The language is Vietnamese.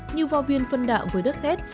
như vò viên phân đạm với đất xét